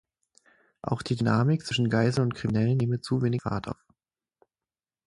Auch die Dynamik zwischen Geiseln und Kriminellen nehme zu wenig Fahrt auf.